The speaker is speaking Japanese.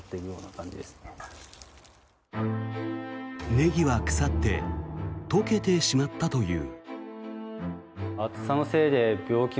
ネギは腐って溶けてしまったという。